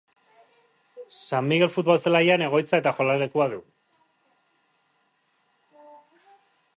San Migel futbol zelaian egoitza eta jokalekua du.